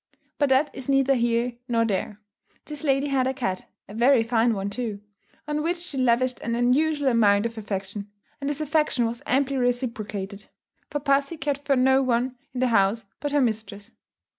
But that is neither here nor there. This lady had a cat, a very fine one too, on which she lavished an unusual amount of affection; and this affection was amply reciprocated, for pussy cared for no one in the house but her mistress.